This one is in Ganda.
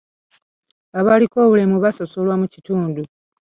Abaliko obulemu basosolwa mu kitundu.